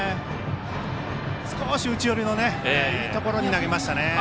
少し内寄りのいいところに投げましたね。